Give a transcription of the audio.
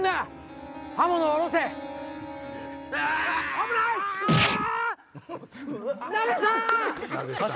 危ない！